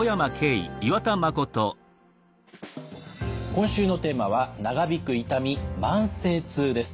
今週のテーマは「長引く痛み慢性痛」です。